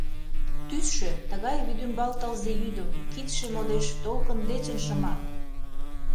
Тӱсшӧ — тыгай вӱдӱмбал тылзе йӱдым, кидше модеш толкын дечын шыман.